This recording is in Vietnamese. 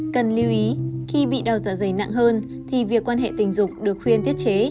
cần lưu ý khi bị đau dạ dày nặng hơn thì việc quan hệ tình dục được khuyên tiết chế